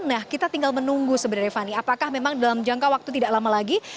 nah kita tinggal menunggu sebenarnya fani apakah memang dalam jangka waktu tidak lama lagi